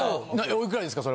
おいくらですか？